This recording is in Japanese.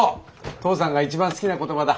父さんが一番好きな言葉だ。